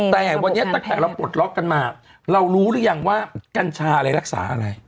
แต่วันนี้ตั้งแต่เราปลดล็อกกันมาเรารู้หรือยังว่ากัญชาอะไรรักษาอะไร